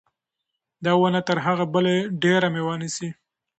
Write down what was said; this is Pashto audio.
دا ونه تر هغې بلې ډېره مېوه نیسي.